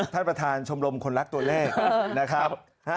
ท่านประธานชมรมคนรักตัวเลขนะครับ